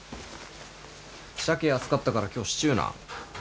サケ安かったから今日シチューな。